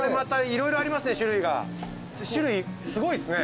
種類すごいっすね。